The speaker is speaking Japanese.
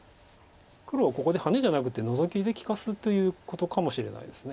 黒はここでハネじゃなくてノゾキで利かすということかもしれないです。